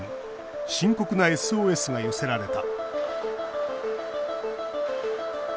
深刻なＳＯＳが寄せられた。